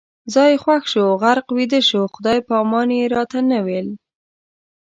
ځای یې خوښ شو، غرق ویده شو، خدای پامان یې راته نه ویل